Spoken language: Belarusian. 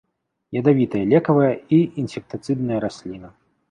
Ядавітая лекавая і інсектыцыдная расліна.